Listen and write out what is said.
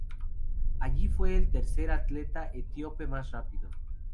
Allí fue el tercer atleta etíope más rápido.